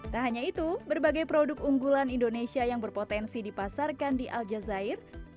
tak hanya itu berbagai produk unggulan indonesia yang berpotensi dipasarkan di al jazeera